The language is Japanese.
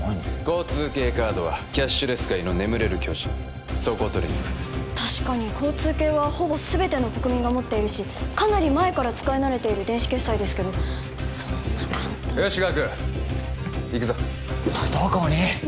交通系カードはキャッシュレス界の眠れる巨人そこを取りにいく確かに交通系はほぼ全ての国民が持っているしかなり前から使い慣れている電子決済ですけどそんな簡単によしガク行くぞどこに！？